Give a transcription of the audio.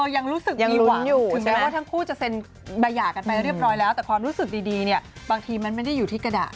ยังรู้สึกมีหวังอยู่ถึงแม้ว่าทั้งคู่จะเซ็นใบหย่ากันไปเรียบร้อยแล้วแต่ความรู้สึกดีเนี่ยบางทีมันไม่ได้อยู่ที่กระดาษ